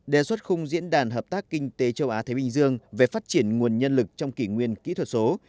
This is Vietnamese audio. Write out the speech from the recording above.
đề xuất khung diễn đàn hợp tác kinh tế châu á thái bình dương về phát triển nguồn nhân lực trong kỷ nguyên kỹ thuật số